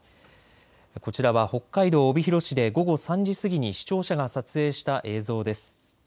こちらは北海道帯広市で午後３時過ぎに視聴者が撮影した映像です。